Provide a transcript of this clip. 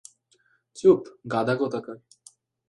চুপ, গাধা কোথাকার!